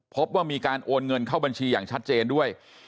พบว่ามีการโอนเงินเข้าบัญชีอย่างชัดเจนด้วย